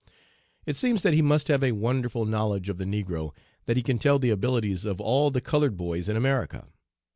It seems that he must have a wonderful knowledge of the negro that he can tell the abilities of all the colored boys in America.